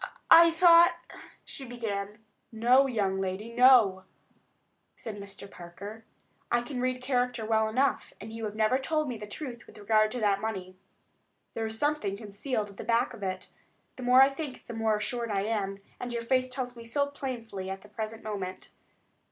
"I thought——" she began. "No, young lady; no," said Mr. Parker. "I can read character well enough, and you have never told me the truth with regard to that money. There is something concealed at the back of it. The more I think the more assured I am, and your face tells me so plainly at the present moment.